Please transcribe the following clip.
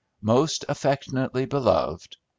Most affectionately beloved.'"